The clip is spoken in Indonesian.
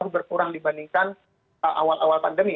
berkurang dibandingkan awal awal pandemi